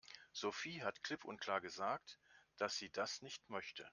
Sophie hat klipp und klar gesagt, dass sie das nicht möchte.